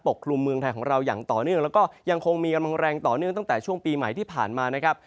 กลุ่มเมืองไทยของเราอย่างต่อเนื่องแล้วก็ยังคงมีกำลังแรงต่อเนื่องตั้งแต่ช่วงปีใหม่ที่ผ่านมานะครับ